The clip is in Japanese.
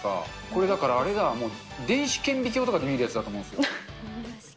これ、だからあれだ、もう電子顕微鏡とかで見るやつだと思うんですよ。